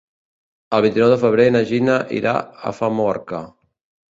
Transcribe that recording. El vint-i-nou de febrer na Gina irà a Famorca.